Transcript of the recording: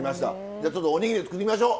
じゃあちょっとおにぎり作りましょう。